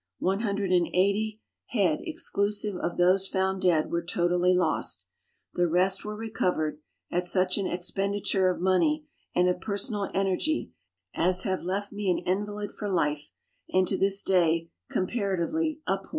One hundred and eighty head exclusive of those found dead were totally lost. The rest were recovered, at such an expenditure of money and of personal energy, as have left me an invalid for life, and to this day comparatively a poor man.